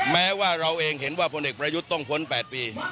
แม้ว่าเราเองเห็นว่าพลเอกประยุทธ์ต้องพ้น๘ปี